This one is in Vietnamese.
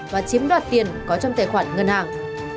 và chiếm đoạt tiền có trong tài khoản ngân hàng